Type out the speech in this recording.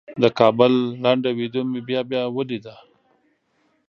د کابل لنډه ویډیو مې بیا بیا ولیده.